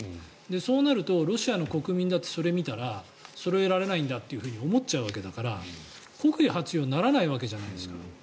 そうなると、ロシアの国民だってそれを見たらそろえられないんだって思っちゃうわけだから国威発揚にならないわけじゃないですか。